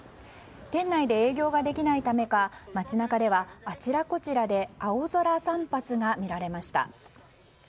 店内で営業ができないためか街中ではあちらこちらで青空散髪が見られました。